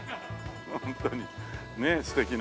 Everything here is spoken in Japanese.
ホントにねえ素敵な。